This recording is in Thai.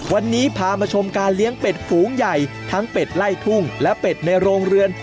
วันนี้พามาชมการเลี้ยงเป็ดฝูงใหญ่ทั้งเป็ดไล่ทุ่งและเป็ดในโรงเรือน